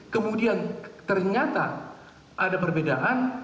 kemudian ternyata ada perbedaan